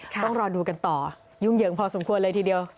ต้องรอดูกันต่อยุ่งเหยิงพอสมควรเลยทีเดียว